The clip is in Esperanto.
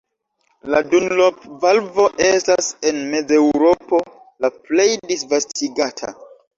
La "Dunlop-valvo" estas en Mezeŭropo la plej disvastigata.